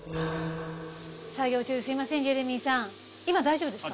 今大丈夫ですか？